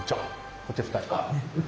こっちは２人。